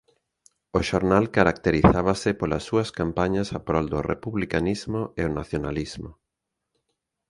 O xornal caracterizábase polas súas campañas a prol do republicanismo e o nacionalismo.